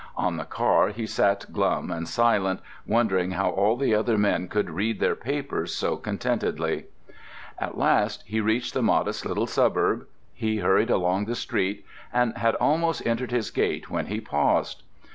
On the car he sat glum and silent, wondering how all the other men could read their papers so contentedly. At last he reached the modest little suburb. He hurried along the street and had almost entered his gate when he paused.